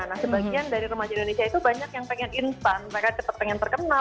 nah sebagian dari remaja indonesia itu banyak yang pengen instan mereka cepat pengen terkenal